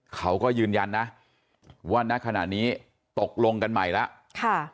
เขาก็ยืนยันนะว่าณขณะนี้ตกลงกันใหม่แล้ว